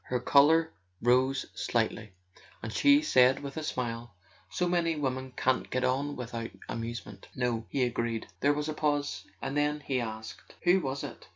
Her colour rose slightly, and she said with a smile: "So many women can't get on with¬ out amusement." "No," he agreed. There was a pause, and then he asked: "Who was it?"